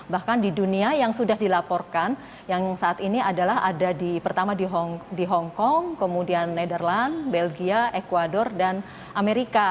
bahkan di dunia yang sudah dilaporkan yang saat ini adalah ada di pertama di hongkong kemudian netherland belgia ecuador dan amerika